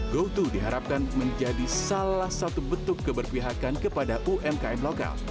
goto diharapkan menjadi salah satu bentuk keberpihakan kepada umkm lokal